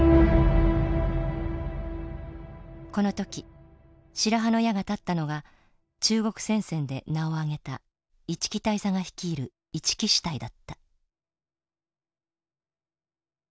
この時白羽の矢が立ったのが中国戦線で名をあげた一木大佐が率いる一木支隊だった。